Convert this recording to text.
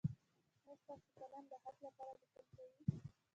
ایا ستاسو قلم د حق لپاره لیکل کوي؟